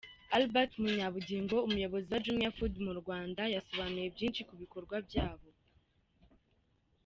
Albert Munyabugingo umuyobozi wa Jumia Food mu Rwanda yasobanuye byinshi ku bikorwa byabo.